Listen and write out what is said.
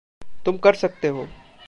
तुम कर सकते हो।